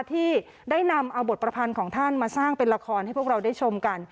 ที่ได้นำเอาบทประพันธ์ของท่านมาสร้างเป็นละครให้พวกเราได้ชมกัน